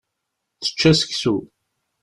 Tečča seksu.